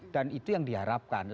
dan itu yang diharapkan